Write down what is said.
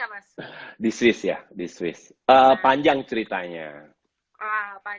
ceritanya jadi aku mau nanya dulu nih di swiss ini kan di jakarta lagi pada physical distancing